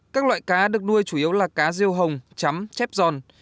các loại cá được nuôi chủ yếu là cá riêu hồng chấm chép giòn